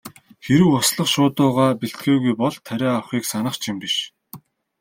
Хэрэв услах шуудуугаа бэлтгээгүй бол тариа авахыг санах ч юм биш.